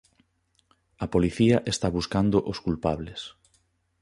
A policía está buscando os culpables.